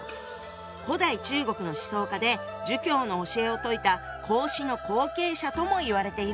古代中国の思想家で儒教の教えを説いた孔子の後継者ともいわれているよね。